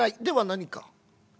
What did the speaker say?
では何か。